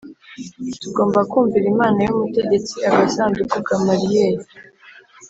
Tugomba kumvira Imana yo mutegetsi Agasanduku Gamaliyeli